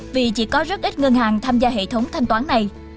vì chỉ có rất ít ngân hàng tham gia hệ thống thanh toán này